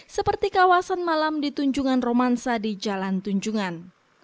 seperti kawasan malam di tunjungan romansa di jalan tunjungan